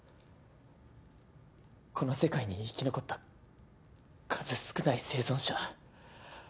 この世界に生き残った数少ない生存者。